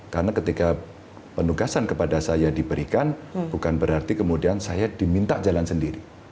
karena ketika penugasan kepada saya diberikan bukan berarti kemudian saya diminta jalan sendiri